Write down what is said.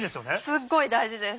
すっごい大事です。